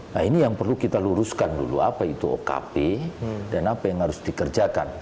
nah ini yang perlu kita luruskan dulu apa itu okp dan apa yang harus dikerjakan